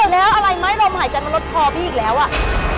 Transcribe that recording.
แล้วอะไรไหมลมหายใจมันลดคอพี่อีกแล้วอ่ะ